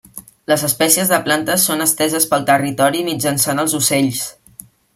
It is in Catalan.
Les espècies de plantes són esteses pel territori mitjançant els ocells.